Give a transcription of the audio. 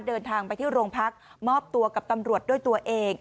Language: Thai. เดินทางไปที่โรงพักมอบตัวกับตำรวจด้วยตัวเอง